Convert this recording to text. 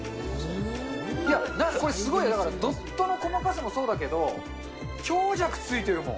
いや、すごい、これ、ドットの細かさもそうだけど、強弱ついてるもん。